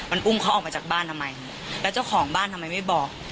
มันอุ้มเขาออกมาจากบ้านทำไมแล้วเจ้าของบ้านทำไมไม่บอก